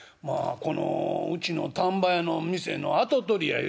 このうちの丹波屋の店の跡取りや」。